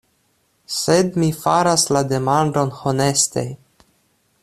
Sed mi faras la demandon honeste.